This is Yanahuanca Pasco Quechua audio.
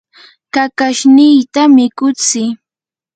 kakashniykita mikutsii